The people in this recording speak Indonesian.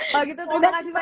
makasih banyak mbak ika